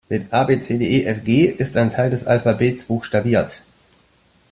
Mit A-B-C-D-E-F-G ist ein Teil des Alphabets buchstabiert!